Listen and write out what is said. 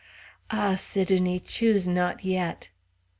Ah! Sidonie, choose not yet!"